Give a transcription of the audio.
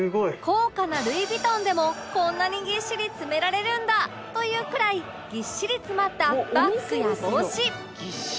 高価なルイ・ヴィトンでもこんなにぎっしり詰められるんだというくらいぎっしり詰まったバッグや帽子